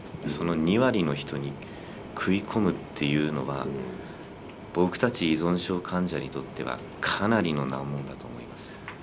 その２割の人に食い込むっていうのは僕たち依存症患者にとってはかなりの難問だと思います。